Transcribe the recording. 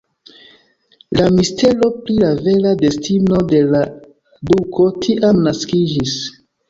La mistero pri la vera destino de la duko tiam naskiĝis.